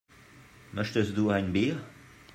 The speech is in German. Möchtest du ein Bier?